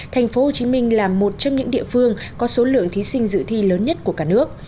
thành phố hồ chí minh là một trong những địa phương có số lượng thí sinh dự thi lớn nhất của cả nước